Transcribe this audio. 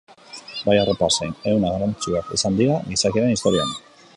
Bai arropa zein ehuna garrantzitsuak izan dira gizakiaren historian.